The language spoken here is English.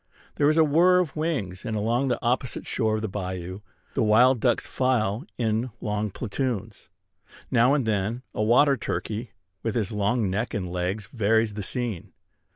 There is a whir of wings; and along the opposite shore of the bayou the wild ducks file in long platoons. Now and then a water turkey, with his long neck and legs, varies the scene.